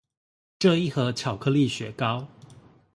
這一盒巧克力雪糕